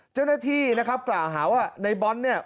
เจ้าหน้าที่นะครับกล่าวหาว่าในบอลเนี่ย